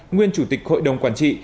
nguyên chủ tịch hội đồng quản trị